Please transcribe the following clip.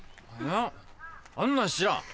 あんなん知らん！